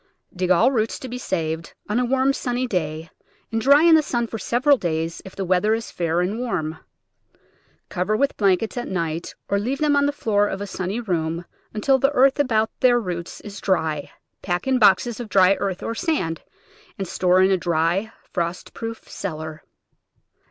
Dig all roots to be saved on a warm, sunny day, and dry in the sun for several days if the weather is fair and warm. Cover with blankets at night or leave them on the floor of a sunny room until the earth about their roots is dry, pack in boxes of dry earth or sand, and store in a dry, frost proof cellar.